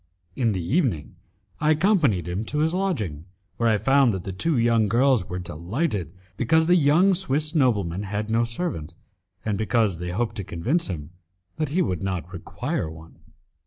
In the evening I accompanied him to his lodging, where I found that the two young girls were delighted because the young Swiss nobleman had no servant, and because they hoped to convince him that he would not require one.